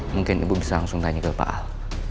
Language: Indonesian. mungkin ibu bisa langsung tanya ke pak al